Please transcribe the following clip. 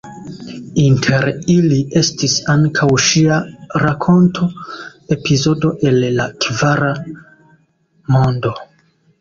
Inter ili estis ankaŭ ŝia rakonto „Epizodo el la Kvara Mondo“.